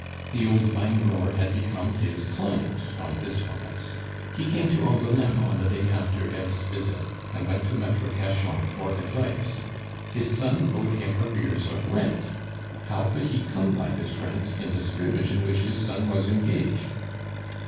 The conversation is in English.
The old vinegrower had become his client on this wise. He came to Angouleme on the day after Eve's visit, and went to Maitre Cachan for advice. His son owed him arrears of rent; how could he come by this rent in the scrimmage in which his son was engaged?